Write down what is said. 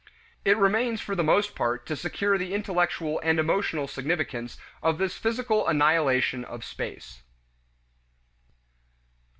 It remains for the most part to secure the intellectual and emotional significance of this physical annihilation of space.